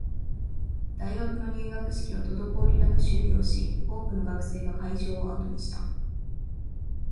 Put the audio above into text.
大学の入学式は滞りなく終了し、多くの学生が会場を後にした